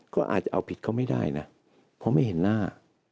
ก็อาจจะเอาผิดเขาไม่ได้นะเพราะไม่เห็นหน้า